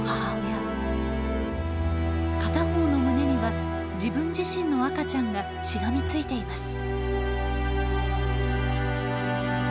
片方の胸には自分自身の赤ちゃんがしがみついています。